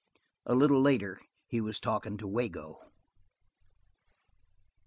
A little later he was talking to Wago.